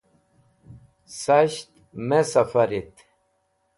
Shasht me sẽfarit